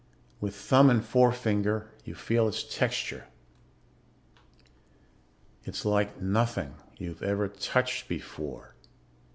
With thumb and forefinger you feel its texture. It's like nothing you've ever touched before.